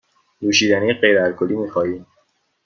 نوشیدنی غیر الکلی می خواهی؟